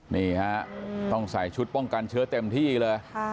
นี่ฮะต้องใส่ชุดป้องกันเชื้อเต็มที่เลย